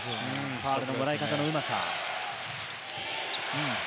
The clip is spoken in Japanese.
ファウルのもらい方のうまさ。